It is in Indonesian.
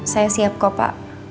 saya siap kok pak